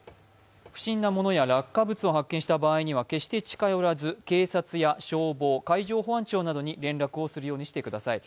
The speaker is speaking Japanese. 不審なものや落下物を見つけた場合には決して近寄らず、警察や消防、海上保安庁などに連絡をするようにしてください。